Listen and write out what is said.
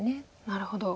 なるほど。